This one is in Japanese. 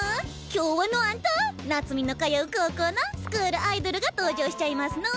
今日はなんと夏美の通う高校のスクールアイドルが登場しちゃいますの。